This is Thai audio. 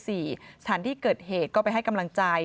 สถานที่เกิดเหตุก็ไปให้กำลังใจ